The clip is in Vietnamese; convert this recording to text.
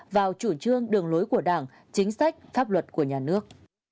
vào chủ trương đường lối của đảng chính sách pháp luật của nhà nước